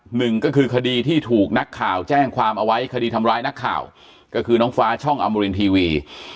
หนึ่งก็คือคดีที่ถูกนักข่าวแจ้งความเอาไว้คดีทำร้ายนักข่าวก็คือน้องฟ้าช่องอมรินทีวี